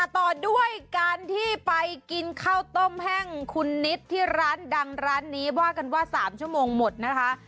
ต่อด้วยการที่ไปกินข้าวต้มแห้งคุณนิดที่ร้านดังร้านนี้ว่ากันว่า๓ชั่วโมงหมดนะคะ